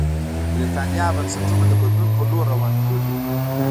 د برېټانیا بنسټونه د بدلون په لور روان کړي وو.